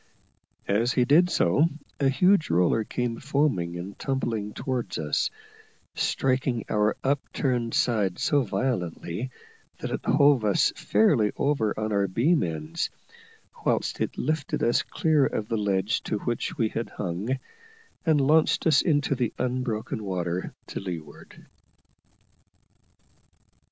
As he did so, a huge roller came foaming and tumbling towards us, striking our upturned side so violently that it hove us fairly over on our beam ends, whilst it lifted us clear of the ledge to which we had hung, and launched us into the unbroken water to leeward.